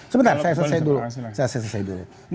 sebentar saya selesai dulu